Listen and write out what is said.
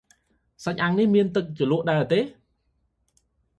សាច់អាំងនេះមានទឹកជ្រលក់ដែរទេ?